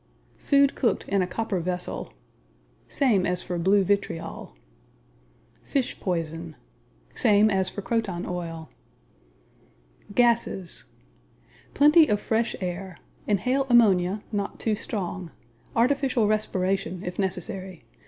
Food cooked in a copper vessel Same as for blue vitriol. Fish poison Same as for croton oil. Gases Plenty of fresh air. Inhale ammonia (not too strong). Artificial respiration if necessary.